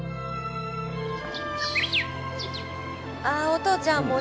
あお父ちゃん